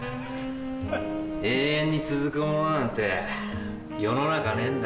永遠に続くものなんて世の中ねえんだ。